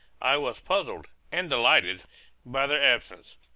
I was puzzled and delighted by their absence.